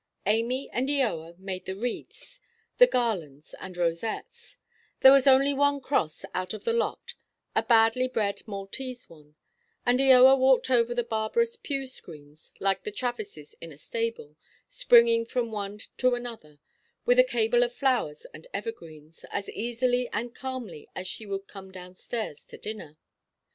Amy and Eoa made the wreaths, the garlands, and rosettes; there was only one cross out of the lot, a badly–bred Maltese one; and Eoa walked over the barbarous pewscreens (like the travisses in a stable), springing from one to another, with a cable of flowers and evergreens, as easily and calmly as she would come down–stairs to dinner.